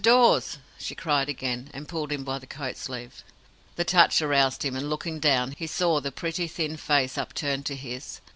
Dawes!" she cried again, and pulled him by the coat sleeve. The touch aroused him, and looking down, he saw the pretty, thin face upturned to his.